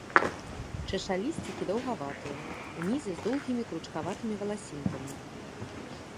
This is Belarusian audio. Чашалісцікі даўгаватыя, унізе з доўгімі кручкаватымі валасінкамі.